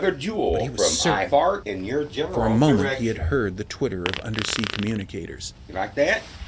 But he was certain: for a moment he had heard the twitter of undersea communicators.